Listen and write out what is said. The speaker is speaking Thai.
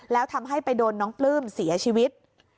แล้วทำให้ไปโดนน้องปลื้มเสียชีวิต